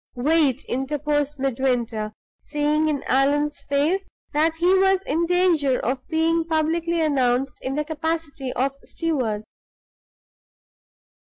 "Wait!" interposed Midwinter, seeing in Allan's face that he was in danger of being publicly announced in the capacity of steward.